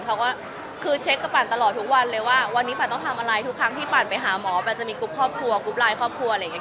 เขาก็คือเช็คกับปั่นตลอดทุกวันเลยว่าวันนี้ปันต้องทำอะไรทุกครั้งที่ปั่นไปหาหมอปั่นจะมีกรุ๊ปครอบครัวกรุ๊ปไลน์ครอบครัวอะไรอย่างนี้